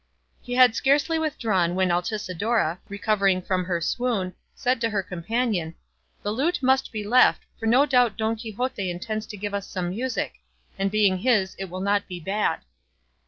He had scarcely withdrawn when Altisidora, recovering from her swoon, said to her companion, "The lute must be left, for no doubt Don Quixote intends to give us some music; and being his it will not be bad."